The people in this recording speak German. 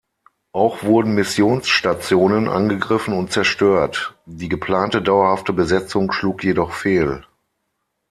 Auch wurden Missionsstationen angegriffen und zerstört, die geplante dauerhafte Besetzung schlug jedoch fehl.